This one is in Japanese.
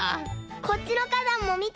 こっちのかだんもみて。